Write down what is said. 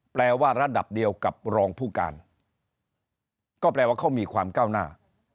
แปลว่าระดับเดียวกับรองผู้การก็แปลว่าเขามีความก้าวหน้า